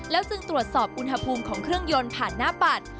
จึงตรวจสอบอุณหภูมิของเครื่องยนต์ผ่านหน้าบัตร